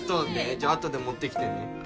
じゃあ後で持ってきてね。